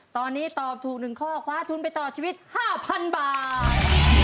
ตอนนี้ตอบถูก๑ข้อคว้าทุนไปต่อชีวิต๕๐๐๐บาท